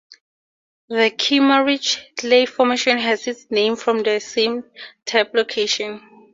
The Kimmeridge Clay Formation has its name from the same type location.